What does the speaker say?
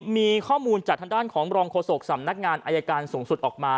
มีข้อมูลจากทางด้านของรองโฆษกสำนักงานอายการสูงสุดออกมา